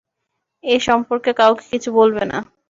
এ সম্পর্কে কাউকে কিছু বলবে না।